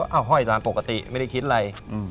เอาห้อยตามปกติไม่ได้คิดอะไร